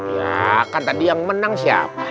ya kan tadi yang menang siapa